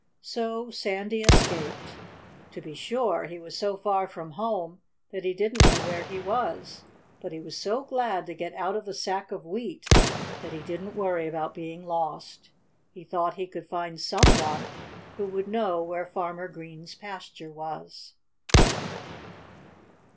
So Sandy escaped. To be sure, he was so far from home that he didn't know where he was. But he was so glad to get out of the sack of wheat that he didn't worry about being lost. He thought he could find some one who would know where Farmer Green's pasture was.